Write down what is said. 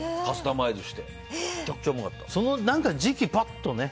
その時期にパッとね。